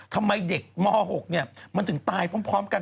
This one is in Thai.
ทำไมเด็กม๖มันถึงตายพร้อมกัน